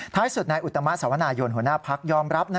ท้ายสุดนายอุตมะสาวนายนหัวหน้าภักดิ์ยอมรับ